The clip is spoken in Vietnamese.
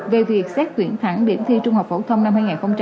về việc xét tuyển thẳng điểm thi trung học phổ thông năm hai nghìn hai mươi